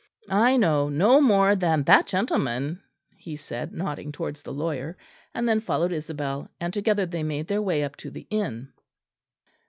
"I know no more than that gentleman," he said, nodding towards the lawyer; and then followed Isabel; and together they made their way up to the inn.